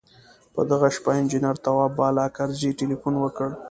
په دغه شپه انجنیر تواب بالاکرزی تیلفون وکړ.